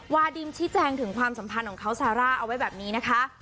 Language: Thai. วาดิมชี้แจงถึงความสัมพันธ์ของเขาซาร่าเอาไว้แบบนี้นะคะ